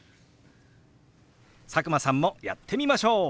佐久間さんもやってみましょう！